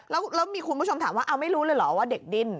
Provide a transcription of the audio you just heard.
แล้วมีคุณผู้ชมถามว่าเอาไม่รู้เลยเหรอว่าเด็กดิ้น